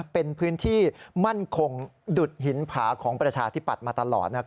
เป็นพื้นที่มั่นคงดุดหินผาของประชาธิปัตย์มาตลอด